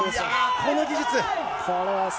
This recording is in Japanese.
この技術。